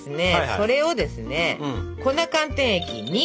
それをですね粉寒天液に。